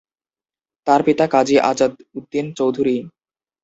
তার পিতা কাজী আজাদ উদ্দিন চৌধুরী।